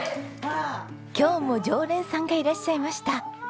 今日も常連さんがいらっしゃいました。